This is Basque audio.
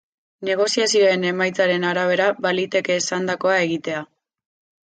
Negoziazioen emaitzaren arabera, baliteke esandakoa egitea.